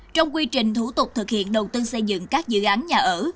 trong quy trình thủ tục thực hiện đầu tư xây dựng các dự án nhà ở